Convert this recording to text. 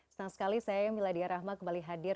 senang sekali saya miladia rahma kembali hadir